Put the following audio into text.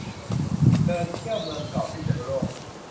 เดินเที่ยวเมืองเก่าพิษณุโลก